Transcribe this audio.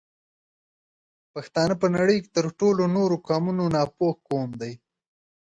پښتانه په نړۍ کې تر ټولو نورو قومونو ناپوه قوم دی